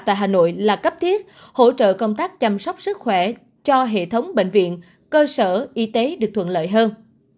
tại hà nội là cấp thiết hỗ trợ công tác chăm sóc sức khỏe cho hệ thống bệnh viện cơ sở y tế được thuận lợi hơn